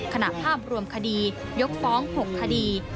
ภาพรวมคดียกฟ้อง๖คดี